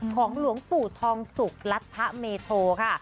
หลวงปู่ทองสุกรัฐเมโทค่ะ